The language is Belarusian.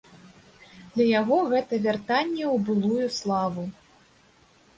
Для яго гэта вяртанне ў былую славу.